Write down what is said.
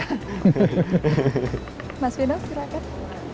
mas winos silahkan